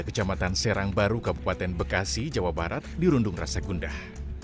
kecamatan serangbaru kabupaten bekasi jawa barat dirundung rasa gundah